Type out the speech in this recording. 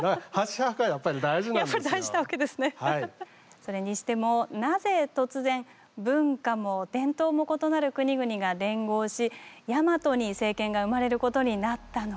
それにしてもなぜ突然文化も伝統も異なる国々が連合しヤマトに政権が生まれることになったのか。